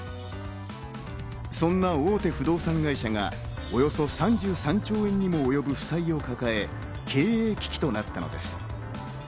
そんな大手不動産会社がおよそ３３兆円にも及ぶ負債を抱え、経営危機となったのです。